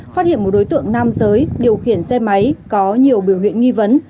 phát hiện một đối tượng nam giới điều khiển xe máy có nhiều biểu hiện nghi vấn